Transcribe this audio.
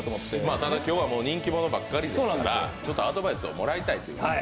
ただ、今日は人気者ばっかりだからちょっとアドバイスをもらいたいということで